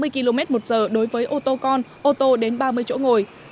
sáu mươi km một giờ đối với ô tô con ô tô đến ba mươi chỗ ngồi